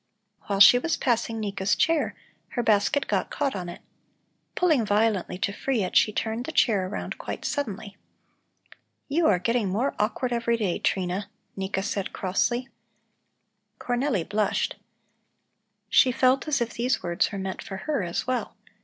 While she was passing Nika's chair, her basket got caught on it. Pulling violently to free it, she turned the chair around quite suddenly. "You are getting more awkward every day, Trina," Nika said crossly. Cornelli blushed. She felt as if these words were meant for her as well.